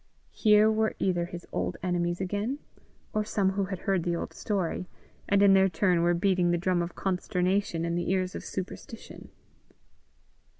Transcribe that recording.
Here were either his old enemies again, or some who had heard the old story, and in their turn were beating the drum of consternation in the ears of superstition.